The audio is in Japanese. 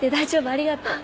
ありがとう。